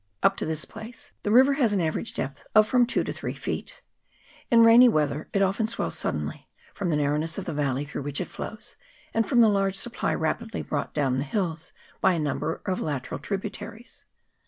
Up to this place the river has an average depth of from two to three feet. In rainy weather it often swells suddenly, from the narrowness of the valley through which it flows, and from the large supply rapidly brought down from the hills by a number of lateral tributaries.